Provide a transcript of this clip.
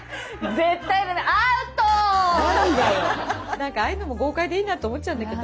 何かああいうのも豪快でいいなと思っちゃうんだけど。